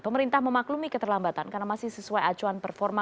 pemerintah memaklumi keterlambatan karena masih sesuai acuan performa